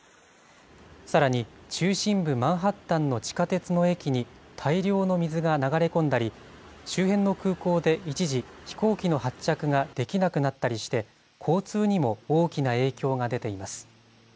さらに中心部マンハッタンの地下鉄の駅に大量の水が流れ込んだり、周辺の空港で一時、飛行機の発着ができなくなったりして交通にも大きな影響が出ています。